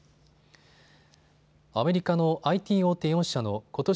アメリカのＩＴ大手４社のことし